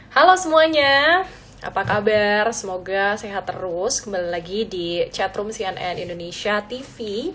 halo semuanya apa kabar semoga sehat terus kembali lagi di chatroom cnn indonesia tv